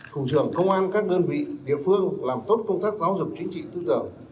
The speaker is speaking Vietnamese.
thủ trưởng công an các đơn vị địa phương làm tốt công tác giáo dục chính trị tư tưởng